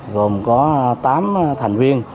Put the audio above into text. gồm có tám thành viên